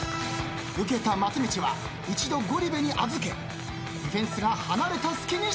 受けた松道は一度ゴリ部に預けディフェンスが離れた隙にシュート。